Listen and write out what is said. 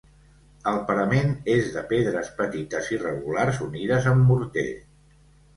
El parament és de pedres petites irregulars unides amb morter.